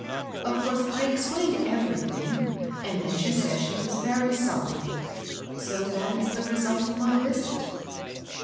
Of course, I explained everything, and then she said she was very sorry ; so that is the resiflt of my visit."